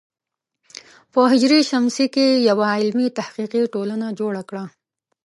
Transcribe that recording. په ه ش کې یوه علمي تحقیقي ټولنه جوړه کړه.